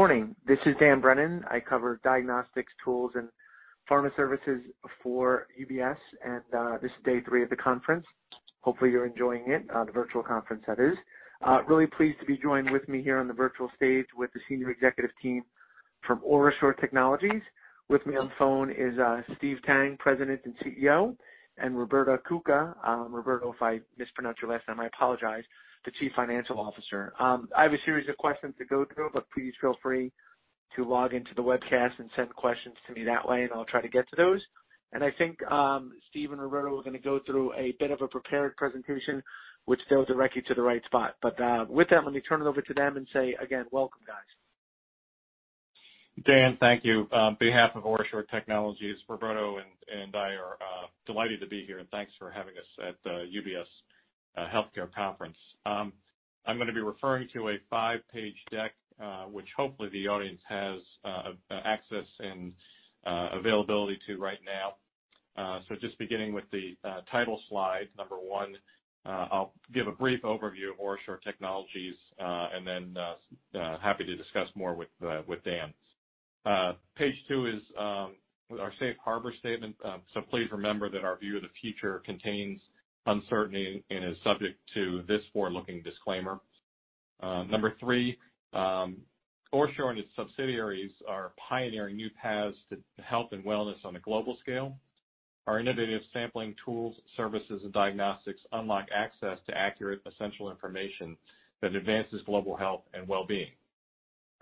Morning. This is Dan Brennan. I cover diagnostics tools and pharma services for UBS. This is day three of the conference. Hopefully, you're enjoying it, the virtual conference, that is. Really pleased to be joined with me here on the virtual stage with the senior executive team from OraSure Technologies. With me on phone is Steve Tang, President and CEO, and Roberto Cuca. Roberto, if I mispronounced your last name, I apologize, the Chief Financial Officer. I have a series of questions to go through. Please feel free to log into the webcast and send questions to me that way. I'll try to get to those. I think Steve and Roberto are going to go through a bit of a prepared presentation, which goes directly to the right spot. With that, let me turn it over to them. Say again, welcome, guys. Dan, thank you. On behalf of OraSure Technologies, Roberto and I are delighted to be here. Thanks for having us at the UBS Healthcare Conference. I'm going to be referring to a five-page deck, which hopefully the audience has access and availability to right now. Just beginning with the title slide, number one, I'll give a brief overview of OraSure Technologies. Then happy to discuss more with Dan. Page two is our safe harbor statement. Please remember that our view of the future contains uncertainty and is subject to this forward-looking disclaimer. Number three, OraSure and its subsidiaries are pioneering new paths to health and wellness on a global scale. Our innovative sampling tools, services, and diagnostics unlock access to accurate, essential information that advances global health and well-being.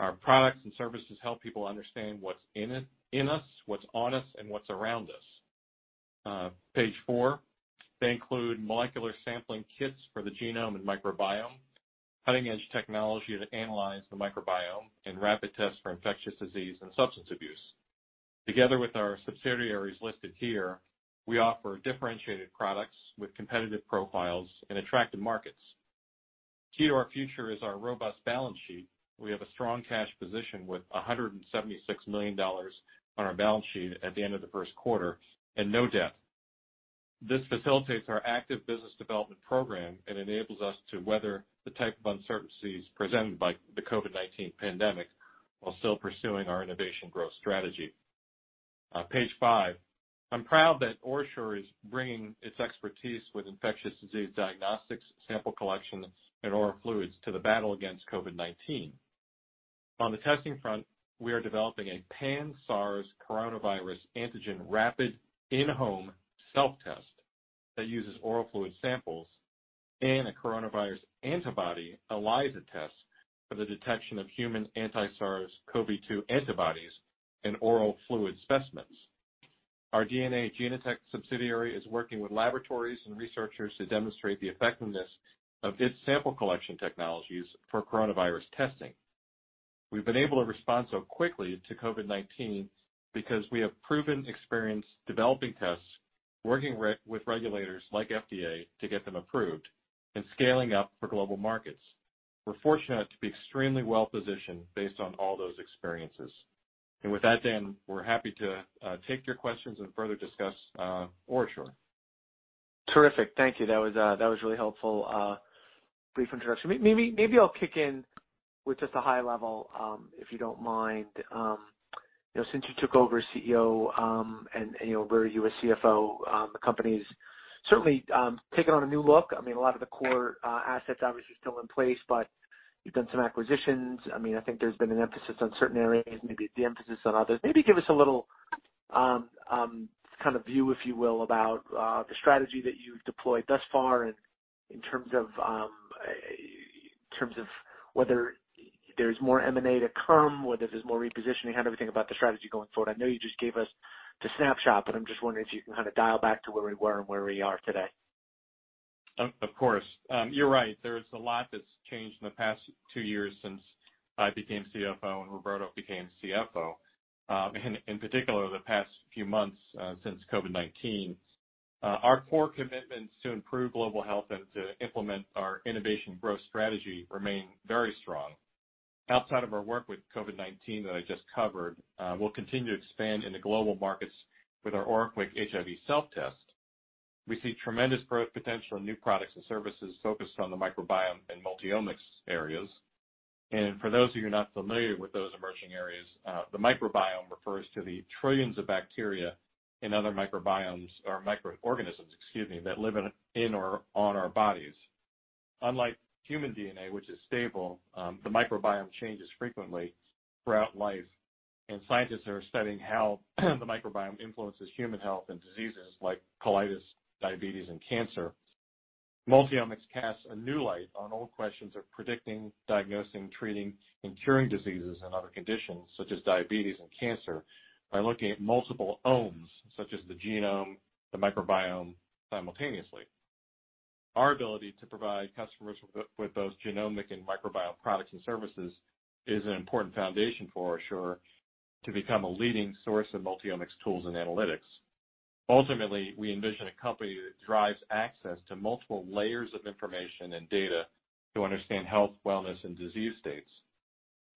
Our products and services help people understand what's in us, what's on us, and what's around us. Page four, they include molecular sampling kits for the genome and microbiome, cutting-edge technology to analyze the microbiome, and rapid tests for infectious disease and substance abuse. Together with our subsidiaries listed here, we offer differentiated products with competitive profiles in attractive markets. Key to our future is our robust balance sheet. We have a strong cash position with $176 million on our balance sheet at the end of the first quarter and no debt. This facilitates our active business development program and enables us to weather the type of uncertainties presented by the COVID-19 pandemic while still pursuing our innovation growth strategy. On page five, I'm proud that OraSure is bringing its expertise with infectious disease diagnostics, sample collection, and oral fluids to the battle against COVID-19. On the testing front, we are developing a pan-SARS coronavirus antigen rapid in-home self-test that uses oral fluid samples and a coronavirus antibody, ELISA test, for the detection of human anti-SARS-CoV-2 antibodies in oral fluid specimens. Our DNA Genotek subsidiary is working with laboratories and researchers to demonstrate the effectiveness of its sample collection technologies for coronavirus testing. We've been able to respond so quickly to COVID-19 because we have proven experience developing tests, working with regulators like FDA to get them approved, and scaling up for global markets. We're fortunate to be extremely well-positioned based on all those experiences. With that, Dan, we're happy to take your questions and further discuss OraSure. Terrific. Thank you. That was a really helpful brief introduction. Maybe I'll kick in with just a high level, if you don't mind. Since you took over as CEO, and Roberto, you as CFO, the company's certainly taken on a new look. I mean, a lot of the core assets, obviously, are still in place, but you've done some acquisitions. I think there's been an emphasis on certain areas, maybe de-emphasis on others. Maybe give us a little view, if you will, about the strategy that you've deployed thus far in terms of whether there's more M&A to come, whether there's more repositioning, how to think about the strategy going forward. I know you just gave us the snapshot, but I'm just wondering if you can kind of dial back to where we were and where we are today. Of course. You're right. There's a lot that's changed in the past two years since I became CFO and Roberto became CFO, in particular the past few months since COVID-19. Our core commitments to improve global health and to implement our innovation growth strategy remain very strong. Outside of our work with COVID-19 that I just covered, we'll continue to expand in the global markets with our OraQuick HIV self-test. We see tremendous growth potential in new products and services focused on the microbiome and multi-omics areas. For those of you not familiar with those emerging areas, the microbiome refers to the trillions of bacteria in other microbiomes or microorganisms, excuse me, that live in or on our bodies. Unlike human DNA, which is stable, the microbiome changes frequently throughout life, and scientists are studying how the microbiome influences human health and diseases like colitis, diabetes, and cancer. Multi-omics casts a new light on old questions of predicting, diagnosing, treating, and curing diseases and other conditions, such as diabetes and cancer, by looking at multiple -omes, such as the genome, the microbiome simultaneously. Our ability to provide customers with both genomic and microbiome products and services is an important foundation for OraSure to become a leading source of multi-omics tools and analytics. Ultimately, we envision a company that drives access to multiple layers of information and data to understand health, wellness, and disease states.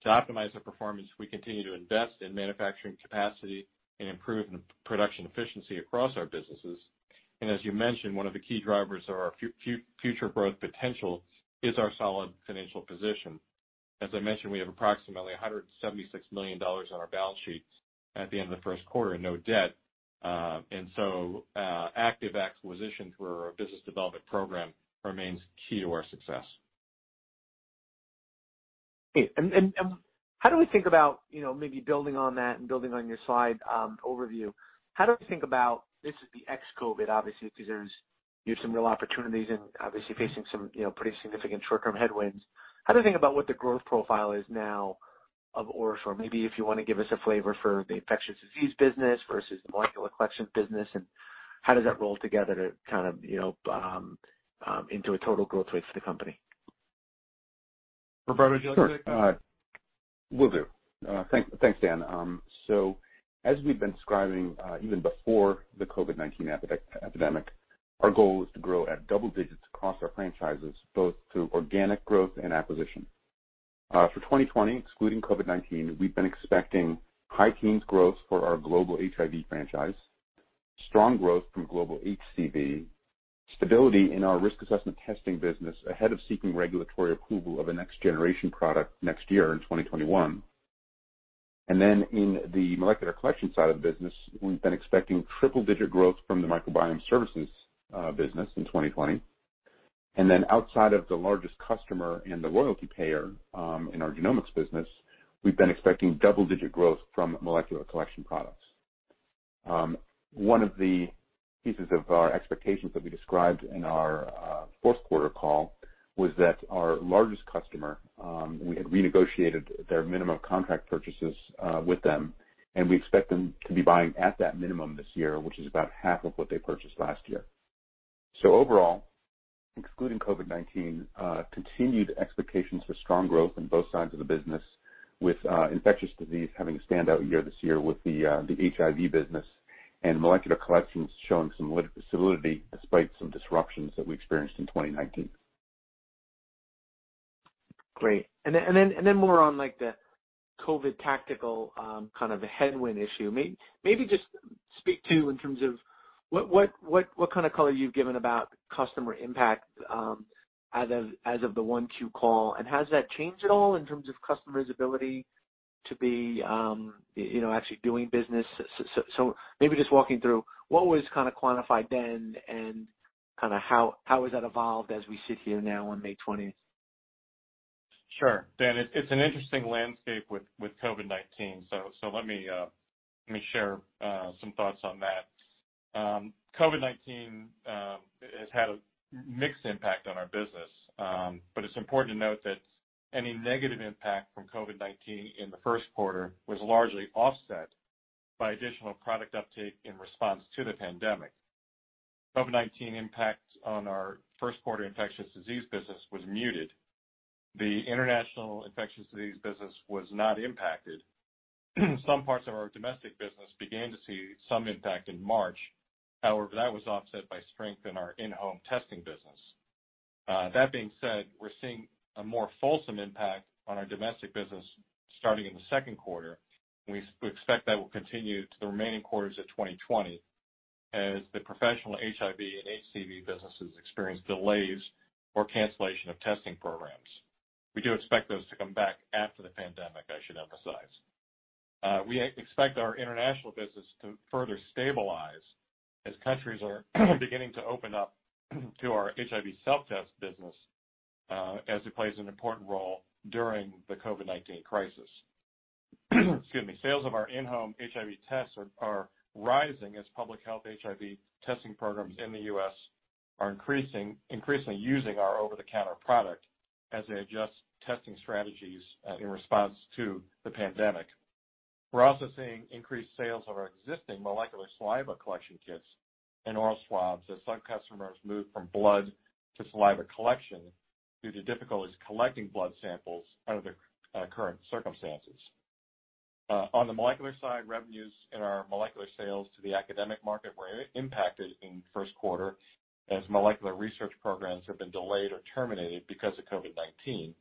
To optimize the performance, we continue to invest in manufacturing capacity and improve production efficiency across our businesses. As you mentioned, one of the key drivers of our future growth potential is our solid financial position. As I mentioned, we have approximately $176 million on our balance sheets at the end of the first quarter, and no debt. Active acquisitions for our business development program remains key to our success. How do we think about maybe building on that and building on your slide overview, how do we think about, this is the ex-COVID, obviously, because there's some real opportunities and obviously facing some pretty significant short-term headwinds? How do we think about what the growth profile is now of OraSure? Maybe if you want to give us a flavor for the infectious disease business versus the molecular collections business, and how does that roll together to kind of into a total growth rate for the company? Roberto, do you want to take it? Sure. Will do. Thanks, Dan. As we've been describing even before the COVID-19 epidemic, our goal is to grow at double digits across our franchises, both through organic growth and acquisition. For 2020, excluding COVID-19, we've been expecting high teens growth for our global HIV franchise, strong growth from global HCV, stability in our risk assessment testing business ahead of seeking regulatory approval of a next-generation product next year in 2021. In the molecular collection side of the business, we've been expecting triple-digit growth from the microbiome services business in 2020. Outside of the largest customer and the royalty payer in our genomics business, we've been expecting double-digit growth from molecular collection products. One of the pieces of our expectations that we described in our fourth quarter call was that our largest customer, we had renegotiated their minimum contract purchases with them, and we expect them to be buying at that minimum this year, which is about half of what they purchased last year. Overall, excluding COVID-19, continued expectations for strong growth in both sides of the business with infectious disease having a standout year this year with the HIV business, and molecular collections showing some solidity despite some disruptions that we experienced in 2019. Great. More on the COVID tactical kind of a headwind issue. Maybe just speak to, in terms of what kind of color you've given about customer impact as of the 1Q call, and has that changed at all in terms of customers' ability to be actually doing business? Maybe just walking through what was kind of quantified then, and kind of how has that evolved as we sit here now on May 20th? Dan, it's an interesting landscape with COVID-19. Let me share some thoughts on that. COVID-19 has had a mixed impact on our business. It's important to note that any negative impact from COVID-19 in the first quarter was largely offset by additional product uptake in response to the pandemic. COVID-19 impact on our first quarter infectious disease business was muted. The international infectious disease business was not impacted. Some parts of our domestic business began to see some impact in March. However, that was offset by strength in our in-home testing business. That being said, we're seeing a more fulsome impact on our domestic business starting in the second quarter, and we expect that will continue to the remaining quarters of 2020 as the professional HIV and HCV businesses experience delays or cancellation of testing programs. We do expect those to come back after the pandemic, I should emphasize. We expect our international business to further stabilize as countries are beginning to open up to our HIV self-test business as it plays an important role during the COVID-19 crisis. Excuse me. Sales of our in-home HIV tests are rising as public health HIV testing programs in the U.S. are increasingly using our over-the-counter product as they adjust testing strategies in response to the pandemic. We're also seeing increased sales of our existing molecular saliva collection kits and oral swabs as some customers move from blood to saliva collection due to difficulties collecting blood samples under the current circumstances. On the molecular side, revenues in our molecular sales to the academic market were impacted in the first quarter as molecular research programs have been delayed or terminated because of COVID-19.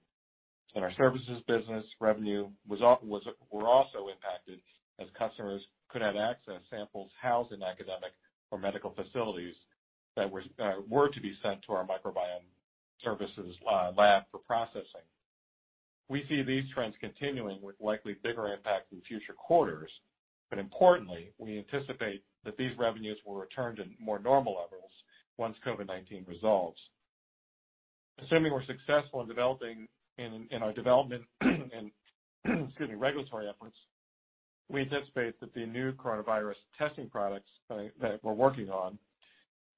Our services business revenue were also impacted as customers could not access samples housed in academic or medical facilities that were to be sent to our microbiome services lab for processing. We see these trends continuing with likely bigger impact in future quarters. Importantly, we anticipate that these revenues will return to more normal levels once COVID-19 resolves. Assuming we're successful in our development and regulatory efforts, we anticipate that the new coronavirus testing products that we're working on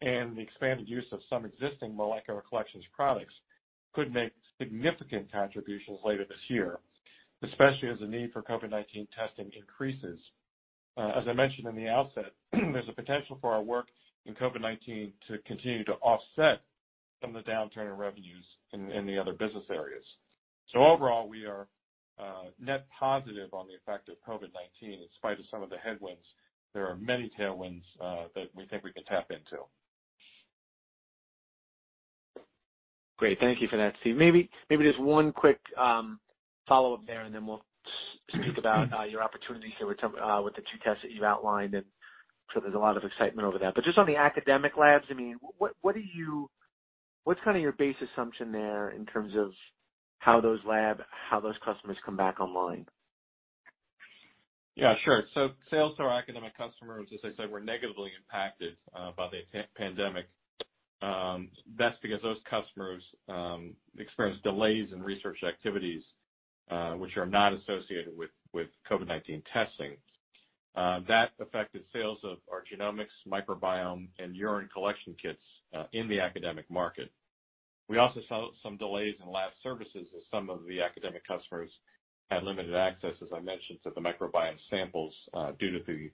and the expanded use of some existing molecular collections products could make significant contributions later this year, especially as the need for COVID-19 testing increases. As I mentioned in the outset, there's a potential for our work in COVID-19 to continue to offset some of the downturn in revenues in the other business areas. Overall, we are net positive on the effect of COVID-19. In spite of some of the headwinds, there are many tailwinds that we think we can tap into. Great. Thank you for that, Steve. Maybe just one quick follow-up there, and then we'll speak about your opportunities here with the two tests that you've outlined, and I'm sure there's a lot of excitement over that. Just on the academic labs, what's your base assumption there in terms of how those customers come back online? Yeah, sure. Sales to our academic customers, as I said, were negatively impacted by the pandemic. That's because those customers experienced delays in research activities, which are not associated with COVID-19 testing. That affected sales of our genomics, microbiome, and urine collection kits in the academic market. We also saw some delays in lab services as some of the academic customers had limited access, as I mentioned, to the microbiome samples due to the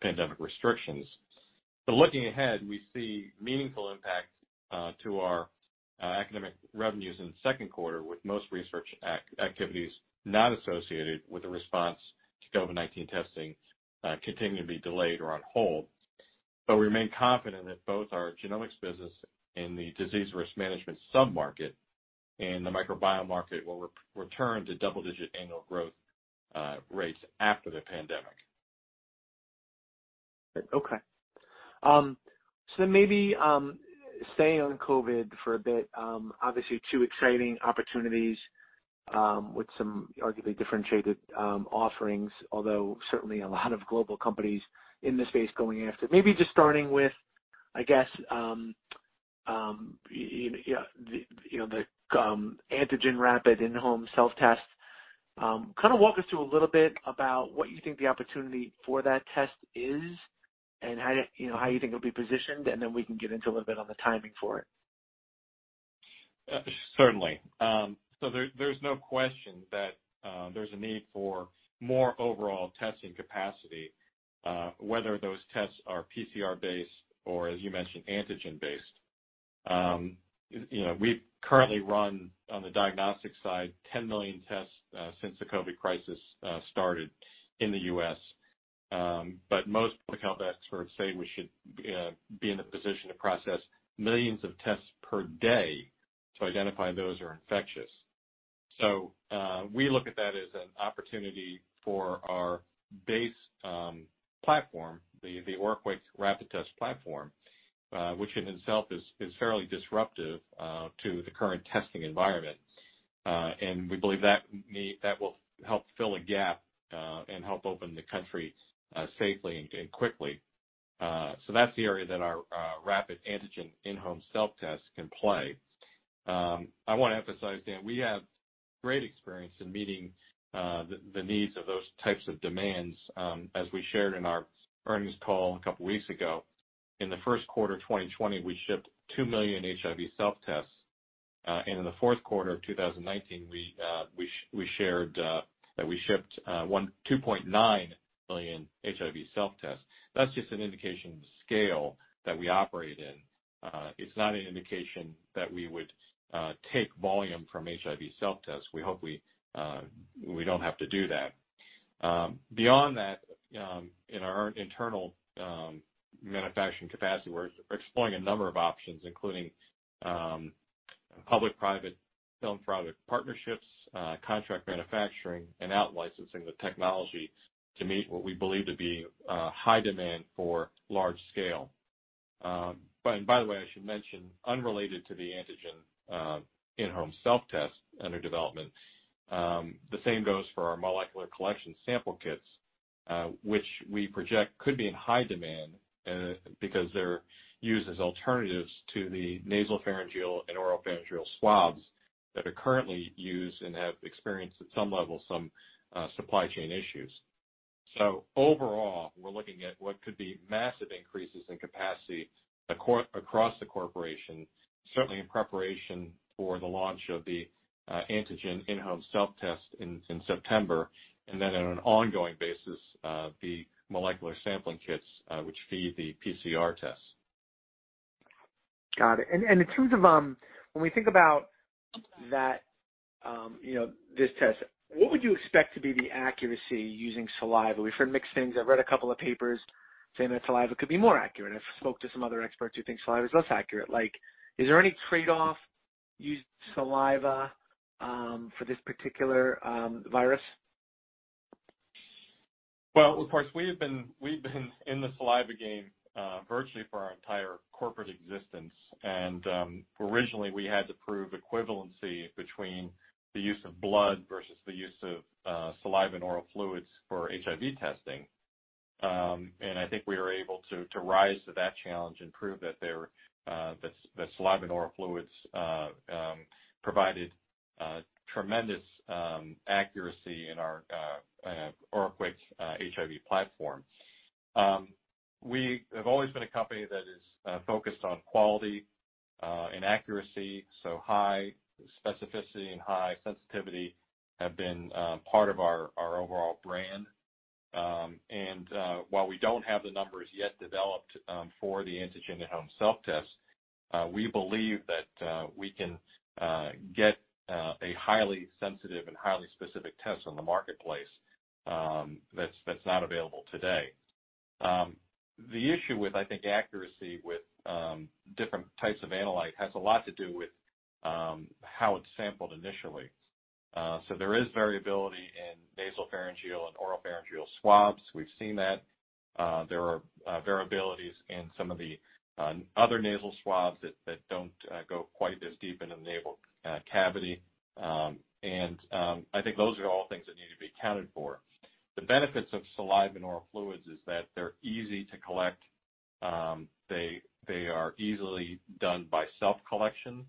pandemic restrictions. Looking ahead, we see meaningful impact to our academic revenues in the second quarter, with most research activities not associated with the response to COVID-19 testing continuing to be delayed or on hold. We remain confident that both our genomics business and the disease risk management sub-market and the microbiome market will return to double-digit annual growth rates after the pandemic. Okay. Maybe stay on COVID for a bit. Obviously, two exciting opportunities with some arguably differentiated offerings, although certainly a lot of global companies in this space going after it. Maybe just starting with, I guess, the antigen rapid in-home self-test. Walk us through a little bit about what you think the opportunity for that test is and how you think it'll be positioned, and then we can get into a little bit on the timing for it. Certainly. There's no question that there's a need for more overall testing capacity, whether those tests are PCR-based or, as you mentioned, antigen-based. We've currently run, on the diagnostic side, 10 million tests since the COVID crisis started in the U.S. Most public health experts say we should be in the position to process millions of tests per day to identify those who are infectious. We look at that as an opportunity for our base platform, the OraQuick rapid test platform, which in itself is fairly disruptive to the current testing environment. We believe that will help fill a gap and help open the country safely and quickly. That's the area that our rapid antigen in-home self-test can play. I want to emphasize, Dan, we have great experience in meeting the needs of those types of demands. As we shared in our earnings call a couple of weeks ago, in the first quarter of 2020, we shipped 2 million HIV self-tests. In the fourth quarter of 2019, we shared that we shipped 2.9 million HIV self-tests. That's just an indication of the scale that we operate in. It's not an indication that we would take volume from HIV self-tests. We hope we don't have to do that. Beyond that, in our internal manufacturing capacity, we're exploring a number of options, including public-private partnerships, contract manufacturing, and out-licensing the technology to meet what we believe to be high demand for large scale. By the way, I should mention, unrelated to the antigen in-home self-test under development, the same goes for our molecular collection sample kits, which we project could be in high demand because they're used as alternatives to the nasopharyngeal and oropharyngeal swabs that are currently used and have experienced, at some level, some supply chain issues. Overall, we're looking at what could be massive increases in capacity across the corporation, certainly in preparation for the launch of the antigen in-home self-test in September, and then on an ongoing basis, the molecular sampling kits, which feed the PCR tests. Got it. In terms of when we think about this test, what would you expect to be the accuracy using saliva? We've heard mixed things. I've read a couple of papers saying that saliva could be more accurate. I've spoke to some other experts who think saliva is less accurate. Is there any trade-off using saliva for this particular virus? Well, of course, we've been in the saliva game virtually for our entire corporate existence. Originally, we had to prove equivalency between the use of blood versus the use of saliva and oral fluids for HIV testing. I think we were able to rise to that challenge and prove that saliva and oral fluids provided tremendous accuracy in our OraQuick HIV platform. We have always been a company that is focused on quality and accuracy. High specificity and high sensitivity have been part of our overall brand. While we don't have the numbers yet developed for the antigen at-home self-test, we believe that we can get a highly sensitive and highly specific test on the marketplace that's not available today. The issue with, I think, accuracy with different types of analyte has a lot to do with how it's sampled initially. There is variability in nasopharyngeal and oropharyngeal swabs. We've seen that. There are variabilities in some of the other nasal swabs that don't go quite as deep into the nasal cavity. I think those are all things that need to be accounted for. The benefits of saliva and oral fluids is that they're easy to collect. They are easily done by self-collection,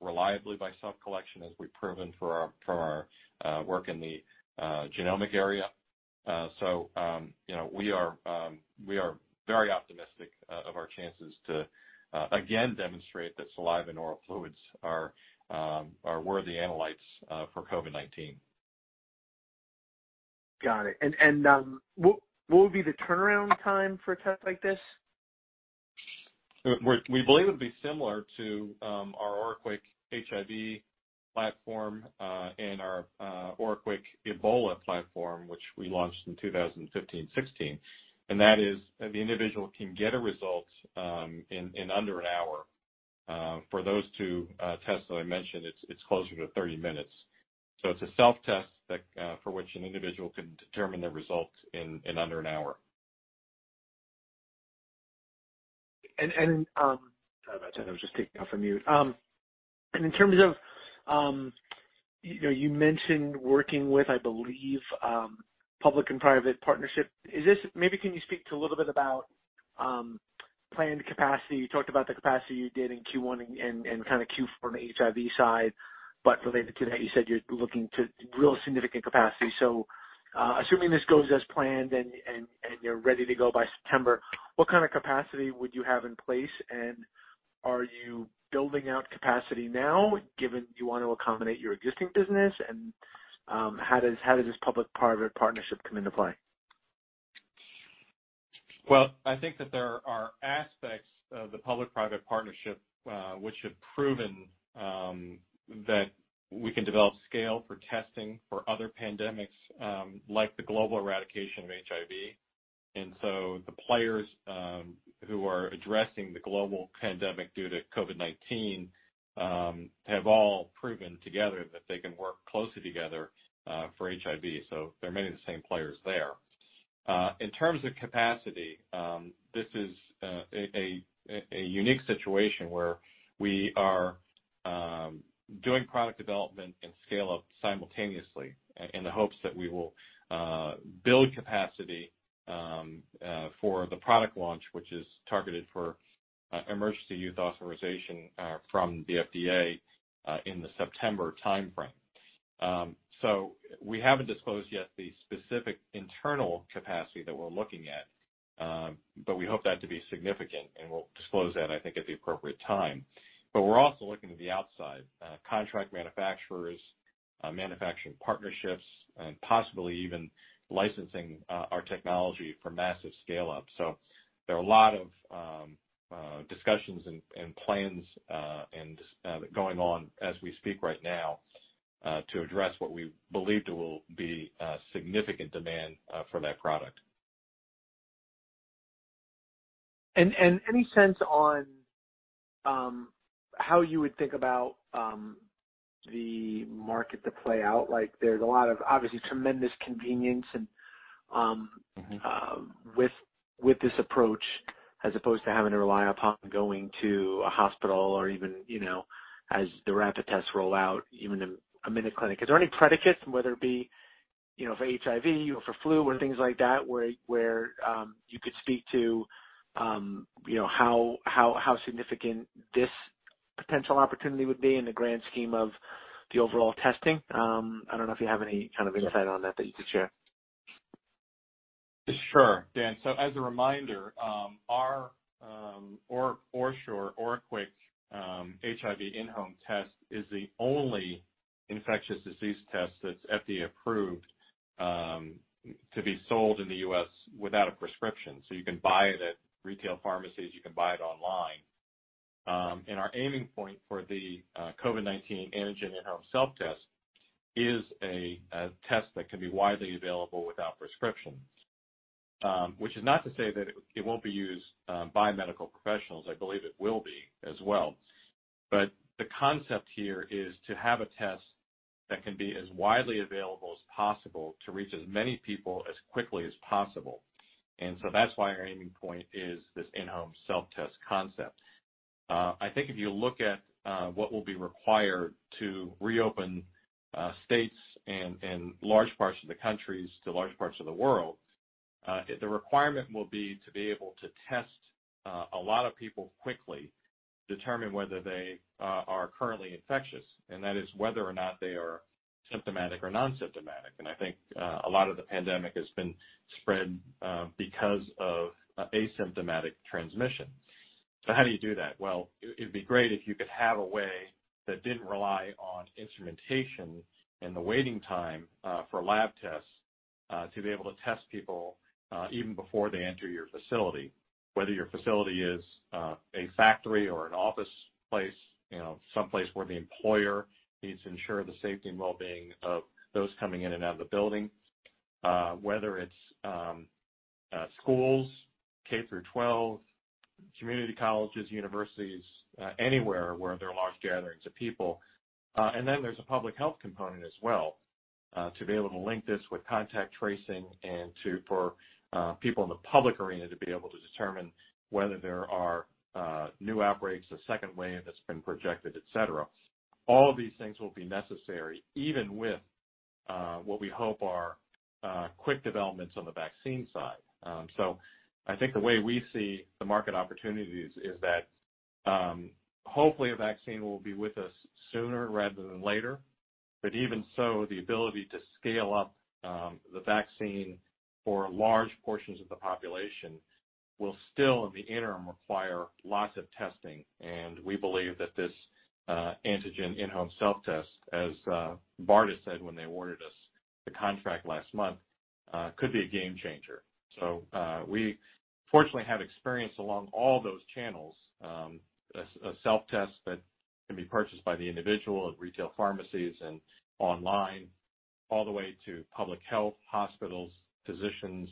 reliably by self-collection, as we've proven from our work in the genomic area. We are very optimistic of our chances to again demonstrate that saliva and oral fluids are worthy analytes for COVID-19. Got it. What would be the turnaround time for a test like this? We believe it would be similar to our OraQuick HIV platform and our OraQuick Ebola platform, which we launched in 2015-2016, and that is the individual can get a result in under an hour. For those two tests that I mentioned, it's closer to 30 minutes. It's a self-test for which an individual can determine their results in under an hour. I was just taking off mute. In terms of you mentioned working with, I believe, public and private partnership. Maybe can you speak to a little bit about planned capacity? You talked about the capacity you did in Q1 and kind of Q4 on the HIV side, but related to that, you said you're looking to real significant capacity. Assuming this goes as planned and you're ready to go by September, what kind of capacity would you have in place? Are you building out capacity now, given you want to accommodate your existing business, and how does this public and private partnership come into play? Well, I think that there are aspects of the public-private partnership which have proven that we can develop scale for testing for other pandemics, like the global eradication of HIV. The players who are addressing the global pandemic due to COVID-19 have all proven together that they can work closely together for HIV. There are many of the same players there. In terms of capacity, this is a unique situation where we are doing product development and scale-up simultaneously in the hopes that we will build capacity for the product launch, which is targeted for Emergency Use Authorization from the FDA in the September timeframe. We haven't disclosed yet the specific internal capacity that we're looking at, but we hope that to be significant, and we'll disclose that, I think, at the appropriate time. We're also looking to the outside contract manufacturers, manufacturing partnerships, and possibly even licensing our technology for massive scale-up. There are a lot of discussions and plans going on as we speak right now to address what we believe will be significant demand for that product. Any sense on how you would think about the market to play out? There's a lot of, obviously, tremendous convenience- With this approach as opposed to having to rely upon going to a hospital or even as the rapid tests roll out, even a minute clinic, is there any precedents, whether it be for HIV or for flu or things like that, where you could speak to how significant this potential opportunity would be in the grand scheme of the overall testing? I don't know if you have any kind of insight on that you could share. Sure, Dan. As a reminder, our OraSure OraQuick HIV in-home test is the only infectious disease test that's FDA-approved to be sold in the U.S. without a prescription. You can buy it at retail pharmacies, you can buy it online. Our aiming point for the COVID-19 antigen in-home self-test is a test that can be widely available without prescription. Which is not to say that it won't be used by medical professionals. I believe it will be as well. The concept here is to have a test that can be as widely available as possible to reach as many people as quickly as possible. That's why our aiming point is this in-home self-test concept. I think if you look at what will be required to reopen states and large parts of the countries to large parts of the world the requirement will be to be able to test a lot of people quickly, determine whether they are currently infectious, and that is whether or not they are symptomatic or non-symptomatic. I think a lot of the pandemic has been spread because of asymptomatic transmission. How do you do that? Well, it'd be great if you could have a way that didn't rely on instrumentation and the waiting time for lab tests to be able to test people even before they enter your facility. Whether your facility is a factory or an office place, someplace where the employer needs to ensure the safety and wellbeing of those coming in and out of the building, whether it's schools, K through 12, community colleges, universities, anywhere where there are large gatherings of people. There's a public health component as well, to be able to link this with contact tracing and for people in the public arena to be able to determine whether there are new outbreaks, a second wave that's been projected, et cetera. All of these things will be necessary even with what we hope are quick developments on the vaccine side. I think the way we see the market opportunities is that, hopefully a vaccine will be with us sooner rather than later. Even so, the ability to scale up the vaccine for large portions of the population will still, in the interim, require lots of testing, and we believe that this antigen in-home self-test, as BARDA said when they awarded us the contract last month, could be a game changer. We fortunately have experience along all those channels. A self-test that can be purchased by the individual at retail pharmacies and online, all the way to public health, hospitals, physicians,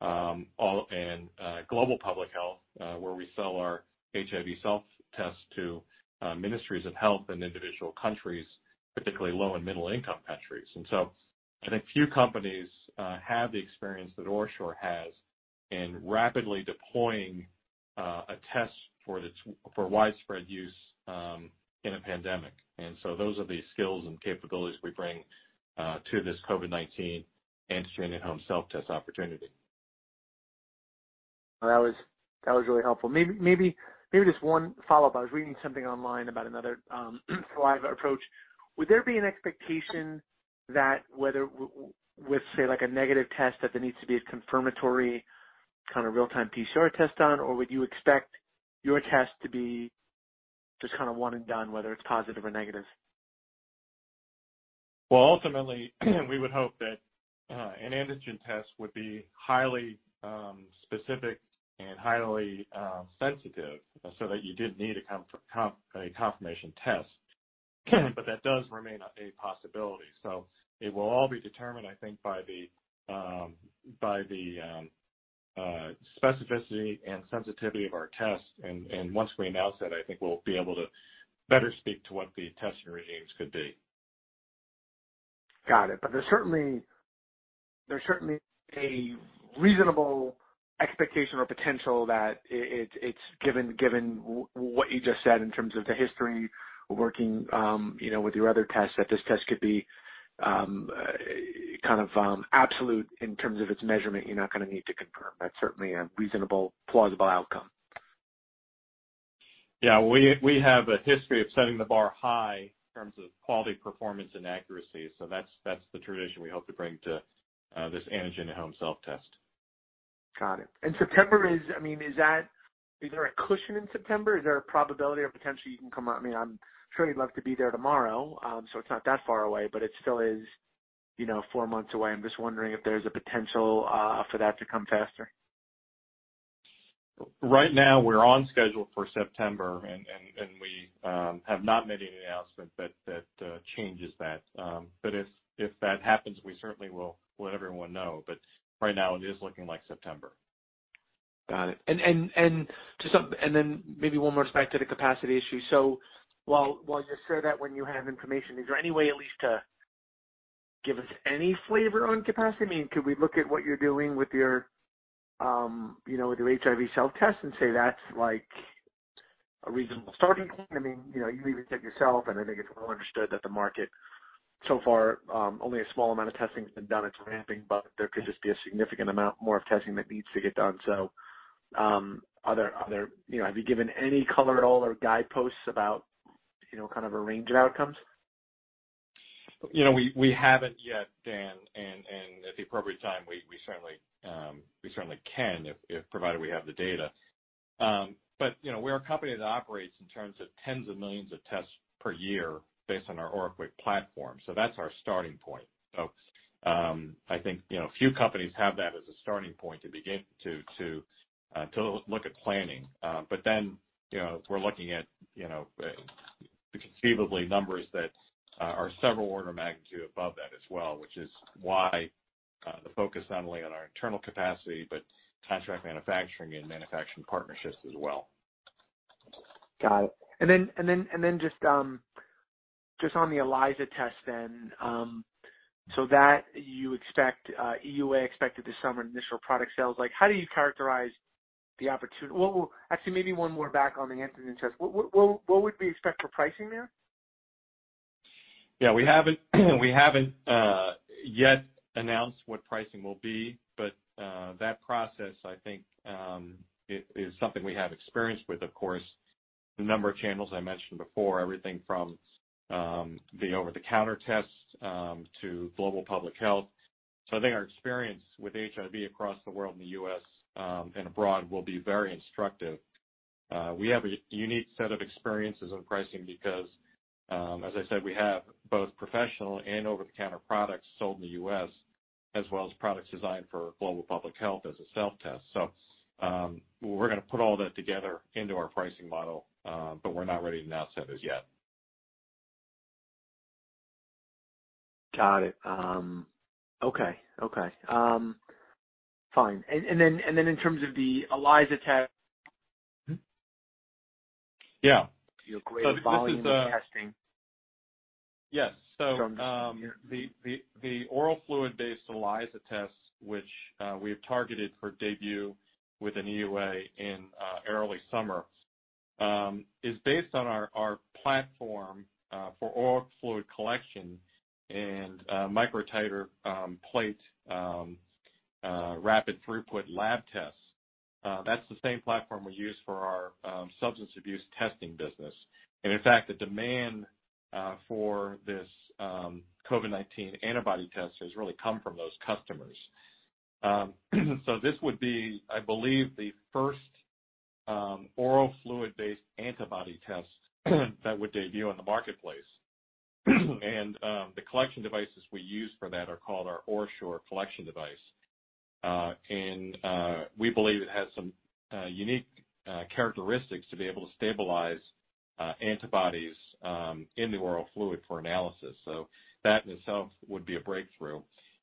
and global public health, where we sell our HIV self-test to ministries of health in individual countries, particularly low and middle-income countries. I think few companies have the experience that OraSure has in rapidly deploying a test for widespread use in a pandemic. Those are the skills and capabilities we bring to this COVID-19 antigen in-home self-test opportunity. That was really helpful. Maybe just one follow-up. I was reading something online about another saliva approach. Would there be an expectation that whether with, say, like a negative test, that there needs to be a confirmatory kind of real-time PCR test done, or would you expect your test to be just kind of one and done, whether it's positive or negative? Well, ultimately, we would hope that an antigen test would be highly specific and highly sensitive so that you didn't need a confirmation test. That does remain a possibility. It will all be determined, I think, by the specificity and sensitivity of our test. Once we announce that, I think we'll be able to better speak to what the testing regimes could be. Got it. There's certainly a reasonable expectation or potential that it's given what you just said in terms of the history working with your other tests, that this test could be kind of absolute in terms of its measurement. You're not going to need to confirm. That's certainly a reasonable, plausible outcome. Yeah. We have a history of setting the bar high in terms of quality, performance, and accuracy. That's the tradition we hope to bring to this antigen at home self-test. Got it. September is there a cushion in September? Is there a probability or potentially you can come out? I'm sure you'd love to be there tomorrow, so it's not that far away, but it still is four months away. I'm just wondering if there's a potential for that to come faster. Right now, we're on schedule for September. We have not made any announcement that changes that. If that happens, we certainly will let everyone know. Right now, it is looking like September. Got it. Maybe one more back to the capacity issue. While you share that when you have information, is there any way at least to give us any flavor on capacity? Could we look at what you're doing with your HIV self-test and say that's like a reasonable starting point? You can even take yourself, and I think it's well understood that the market, so far, only a small amount of testing has been done. It's ramping, but there could just be a significant amount more of testing that needs to get done. Have you given any color at all or guideposts about kind of a range of outcomes? We haven't yet, Dan, at the appropriate time, we certainly can, provided we have the data. We're a company that operates in terms of tens of millions of tests per year based on our OraQuick platform, so that's our starting point. I think, few companies have that as a starting point to begin to look at planning. We're looking at the conceivably numbers that are several order of magnitude above that as well, which is why the focus not only on our internal capacity, but contract manufacturing and manufacturing partnerships as well. Got it. Just on the ELISA test then, you expect EUA expected this summer, initial product sales. How do you characterize the opportunity? Well, actually, maybe one more back on the antigen test. What would we expect for pricing there? Yeah, we haven't yet announced what pricing will be, but that process, I think, is something we have experience with, of course, the number of channels I mentioned before, everything from the over-the-counter tests to global public health. I think our experience with HIV across the world in the U.S. and abroad will be very instructive. We have a unique set of experiences in pricing because, as I said, we have both professional and over-the-counter products sold in the U.S., as well as products designed for global public health as a self-test. We're going to put all that together into our pricing model, but we're not ready to announce that as yet. Got it. Okay. Fine. In terms of the ELISA test. Yeah. Your greater volume of testing. Yes. From your- The oral fluid-based ELISA test, which we have targeted for debut with an EUA in early summer, is based on our platform for oral fluid collection and microtiter plate rapid throughput lab tests. That's the same platform we use for our substance abuse testing business. In fact, the demand for this COVID-19 antibody test has really come from those customers. This would be, I believe, the first oral fluid-based antibody test that would debut in the marketplace. The collection devices we use for that are called our OraSure Collection Device. We believe it has some unique characteristics to be able to stabilize antibodies in the oral fluid for analysis. That in itself would be a breakthrough.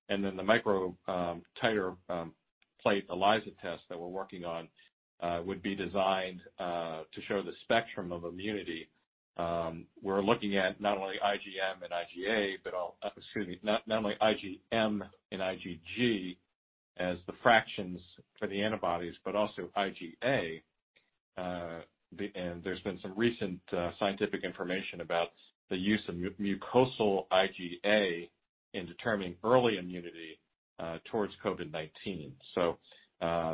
The microtiter plate ELISA test that we're working on would be designed to show the spectrum of immunity. We're looking at Excuse me. Not only IgM and IgG as the fractions for the antibodies, but also IgA. There's been some recent scientific information about the use of mucosal IgA in determining early immunity towards COVID-19.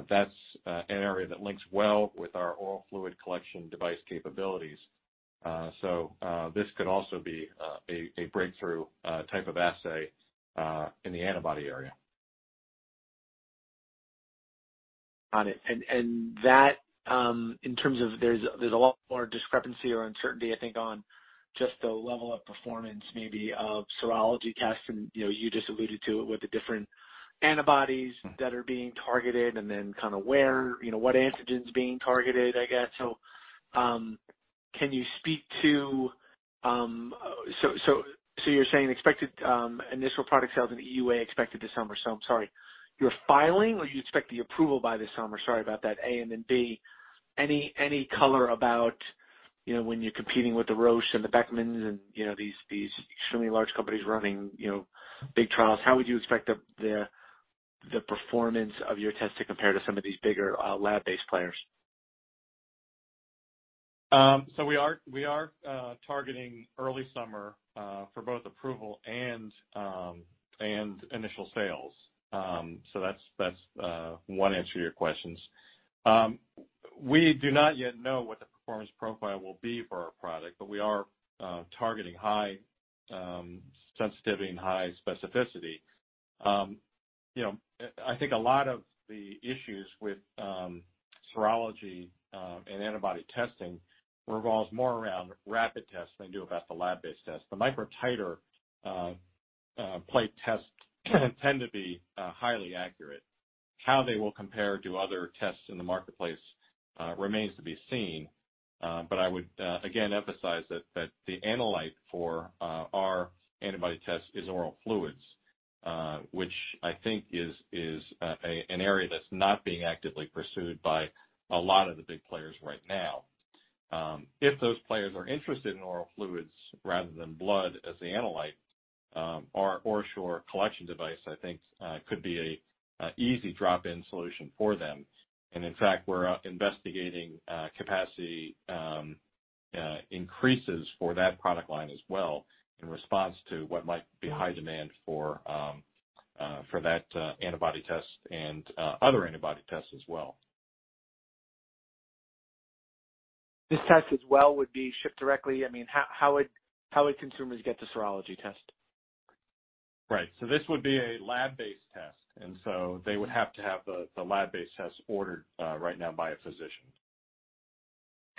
That's an area that links well with our oral fluid collection device capabilities. This could also be a breakthrough type of assay in the antibody area. Got it. That, in terms of there's a lot more discrepancy or uncertainty, I think, on just the level of performance maybe of serology tests and you just alluded to it with the different antibodies that are being targeted, and then kind of where, what antigen's being targeted, I guess. Can you speak to you're saying expected initial product sales and EUA expected this summer. I'm sorry, you're filing or you expect the approval by this summer? Sorry about that, A, and then B, any color about when you're competing with the Roches and the Beckmans and these extremely large companies running big trials, how would you expect the performance of your test to compare to some of these bigger lab-based players? We are targeting early summer for both approval and initial sales. That's one answer to your questions. We do not yet know what the performance profile will be for our product, but we are targeting high sensitivity and high specificity. I think a lot of the issues with serology and antibody testing revolves more around rapid tests than do about the lab-based tests. The microtiter plate tests tend to be highly accurate. How they will compare to other tests in the marketplace remains to be seen. I would again emphasize that the analyte for our antibody test is oral fluids, which I think is an area that's not being actively pursued by a lot of the big players right now. If those players are interested in oral fluids rather than blood as the analyte, our OraSure Collection Device, I think, could be an easy drop-in solution for them. In fact, we're investigating capacity increases for that product line as well in response to what might be high demand for that antibody test and other antibody tests as well. This test as well would be shipped directly? I mean, how would consumers get the serology test? Right. This would be a lab-based test, and so they would have to have the lab-based test ordered right now by a physician.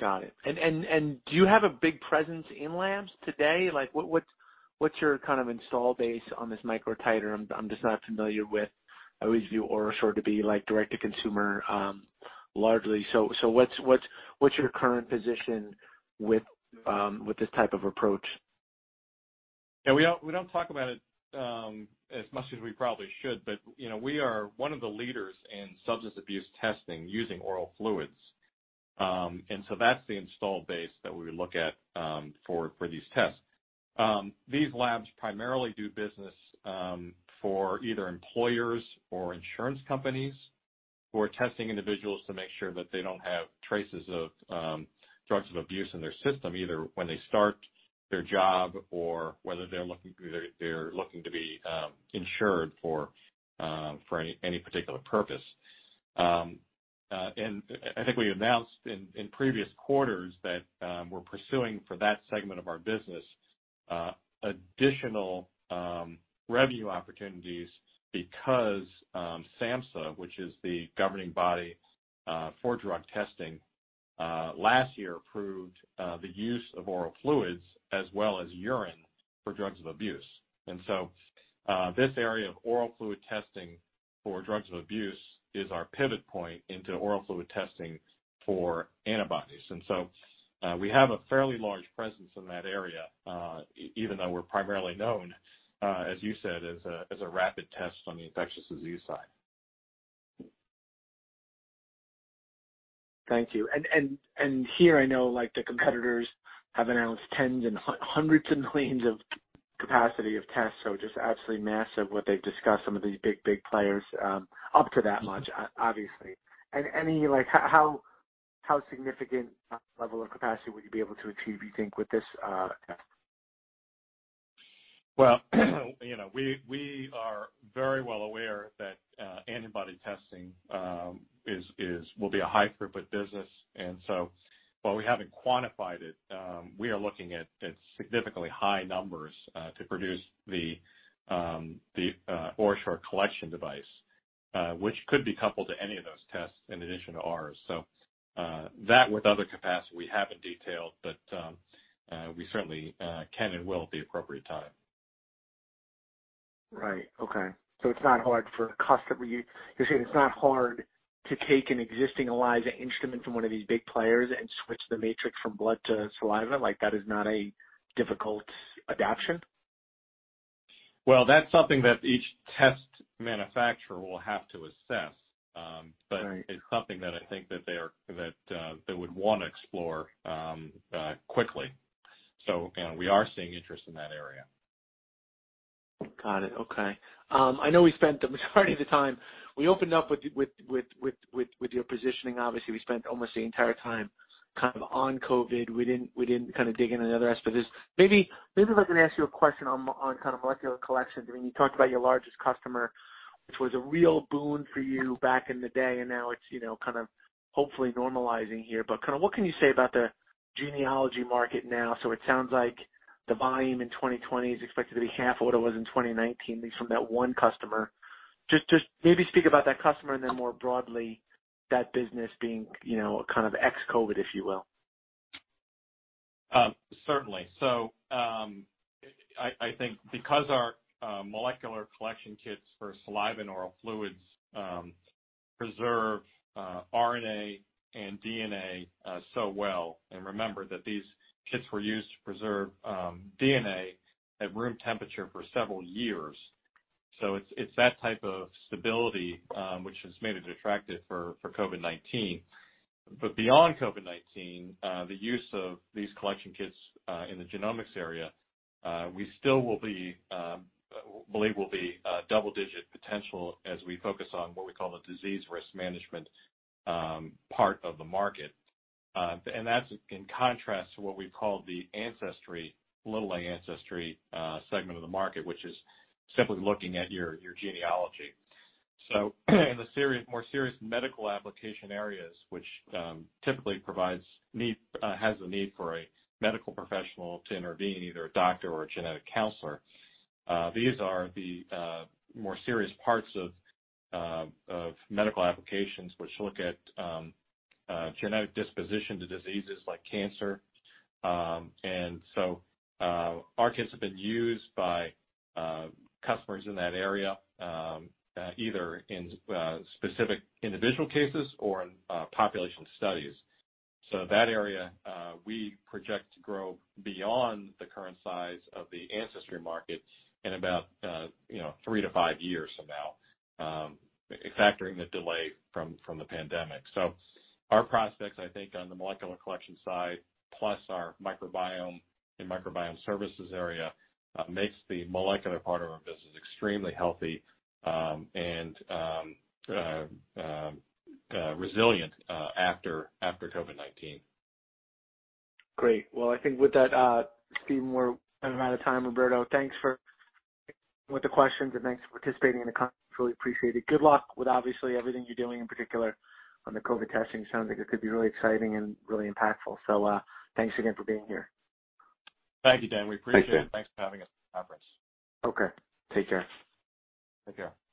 Got it. Do you have a big presence in labs today? What's your kind of install base on this microtiter? I'm just not familiar with, I always view OraSure to be direct to consumer largely. What's your current position with this type of approach? Yeah, we don't talk about it as much as we probably should, but we are one of the leaders in substance abuse testing using oral fluids. That's the install base that we would look at for these tests. These labs primarily do business for either employers or insurance companies who are testing individuals to make sure that they don't have traces of drugs of abuse in their system, either when they start their job or whether they're looking to be insured for any particular purpose. I think we announced in previous quarters that we're pursuing for that segment of our business additional revenue opportunities because SAMHSA, which is the governing body for drug testing, last year approved the use of oral fluids as well as urine for drugs of abuse. This area of oral fluid testing for drugs of abuse is our pivot point into oral fluid testing for antibodies. We have a fairly large presence in that area, even though we're primarily known, as you said, as a rapid test on the infectious disease side. Thank you. Here I know the competitors have announced hundreds and millions of capacity of tests, just absolutely massive what they've discussed, some of these big players up to that much, obviously. How significant level of capacity will you be able to achieve, you think, with this test? Well, we are very well aware that antibody testing will be a high-profit business. While we haven't quantified it, we are looking at significantly high numbers to produce the OraSure Collection Device, which could be coupled to any of those tests in addition to ours. That with other capacity we haven't detailed, but we certainly can and will at the appropriate time. Right. Okay. It's not hard for a customer, you're saying it's not hard to take an existing ELISA instrument from one of these big players and switch the matrix from blood to saliva? That is not a difficult adaptation? Well, that's something that each test manufacturer will have to assess. Right It's something that I think that they would want to explore quickly. Again, we are seeing interest in that area. Got it. Okay. I know we spent a majority of the time, we opened up with your positioning, obviously, we spent almost the entire time on COVID. We didn't dig into other aspects. Maybe if I can ask you a question on molecular collection. You talked about your largest customer, which was a real boon for you back in the day, and now it's hopefully normalizing here. What can you say about the genealogy market now? It sounds like the volume in 2020 is expected to be half of what it was in 2019, at least from that one customer. Just maybe speak about that customer and then more broadly, that business being ex-COVID, if you will. Certainly. I think because our molecular collection kits for saliva and oral fluids preserve RNA and DNA so well, and remember that these kits were used to preserve DNA at room temperature for several years. It's that type of stability which has made it attractive for COVID-19. Beyond COVID-19, the use of these collection kits in the genomics area, we still believe will be double-digit potential as we focus on what we call the disease risk management part of the market. That's in contrast to what we call the ancestry, little A ancestry segment of the market, which is simply looking at your genealogy. In the more serious medical application areas, which typically has a need for a medical professional to intervene, either a doctor or a genetic counselor, these are the more serious parts of medical applications which look at genetic disposition to diseases like cancer. Our kits have been used by customers in that area, either in specific individual cases or in population studies. That area we project to grow beyond the current size of the ancestry market in about three to five years, factoring the delay from the pandemic. Our prospects, I think, on the molecular collection side, plus our microbiome and microbiome services area, makes the molecular part of our business extremely healthy and resilient after COVID-19. Great. Well, I think with that, Steve, we're out of time. Roberto, thanks for with the questions and thanks for participating in the conference. Really appreciate it. Good luck with obviously everything you're doing, in particular on the COVID testing. Sounds like it could be really exciting and really impactful. Thanks again for being here. Thank you, Dan. We appreciate it. Thanks, Dan. Thanks for having us at the conference. Okay. Take care. Take care.